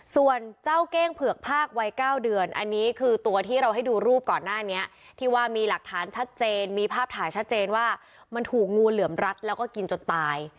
ส่วนเจ้าเก้งเผือกภาควัย๙เดือนอันนี้คือตัวที่เราให้ดูรูปก่อนหน้านี้ที่ว่ามีหลักฐานชัดเจนมีภาพถ่ายชัดเจนว่ามันถูกงูเหลือมรัดแล้วก็กินจนตาย